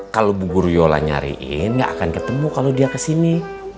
kalau bu guriola nyariin nggak akan ketemu kalau dia kesini